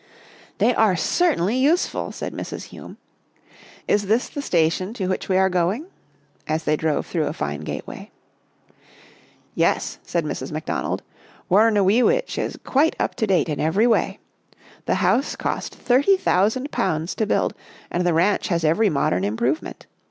" They are certainly useful," said Mrs. Hume. " Is this the station to which we are going? " as they drove through a fine gateway. "Yes," said Mrs. McDonald. " Wuurna wee weetch is quite up to date in every way. The house cost £30,000 to build and the ranch has every modern improvement.